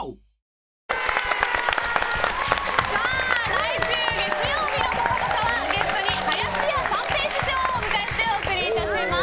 来週月曜日の「ぽかぽか」はゲストに林家三平師匠を迎えてお送りします。